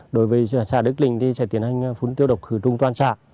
đối với xã đức linh thì sẽ tiến hành phun tiêu độc khử trùng toàn xã